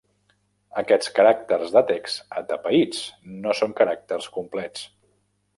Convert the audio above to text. Aquests caràcters de text "atapeïts" no són caràcters complets.